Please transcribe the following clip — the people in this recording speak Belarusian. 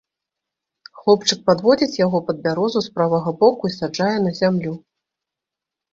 Хлопчык падводзіць яго пад бярозу з правага боку і саджае на зямлю.